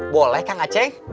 boleh kak nggak ceng